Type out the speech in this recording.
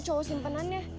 coba cowo simpenannya